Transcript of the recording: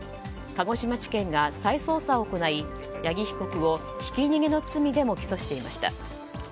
鹿児島地検が再捜査を行い八木被告をひき逃げの罪でも起訴していました。